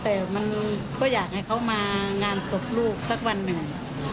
แต่มันก็อยากให้เขามางานศพลูกสักวันหนึ่ง